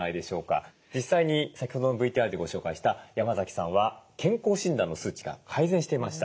実際に先ほどのＶＴＲでご紹介した山崎さんは健康診断の数値が改善していました。